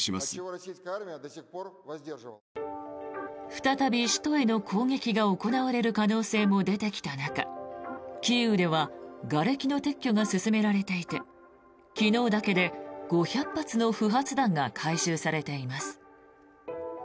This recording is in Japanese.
再び首都への攻撃が行われる可能性も出てきた中キーウではがれきの撤去が進められていて昨日だけで５００発の不発弾が回収されています。